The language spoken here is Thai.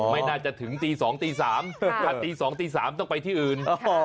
ไม่น่าจะถึงตี๒ตัว๓ต่อไปที่อื่น